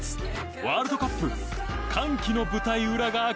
ワールドカップ歓喜の舞台裏が明らかに。